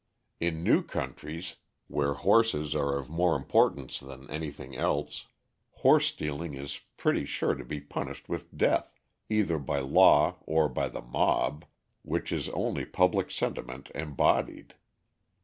In new countries, where horses are of more importance than anything else, horse stealing is pretty sure to be punished with death, either by law or by the mob, which is only public sentiment embodied.